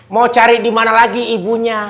mau cari dimana lagi ibunya